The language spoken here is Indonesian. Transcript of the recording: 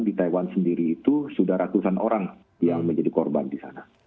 di taiwan sendiri itu sudah ratusan orang yang menjadi korban di sana